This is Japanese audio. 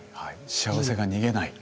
幸せが逃げない。